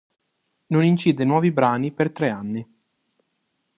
Non incide nuovi brani per tre anni.